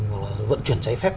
hoặc là vận chuyển giải phép